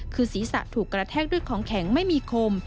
คือศีรษะถูกกระแทกด้วยของแข็งไม่มีคม